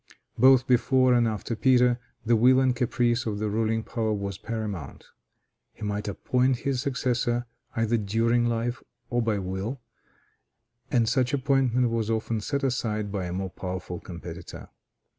Both before and after Peter, the will and caprice of the ruling power was paramount. He might appoint his successor, either during life or by will, and such appointment was often set aside by a more powerful competitor.